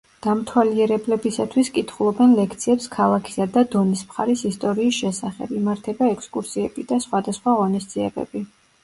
დამთვალიერებლებისათვის კითხულობენ ლექციებს ქალაქისა და დონის მხარის ისტორიის შესახებ, იმართება ექსკურსიები და სხვადასხვა ღონისძიებები.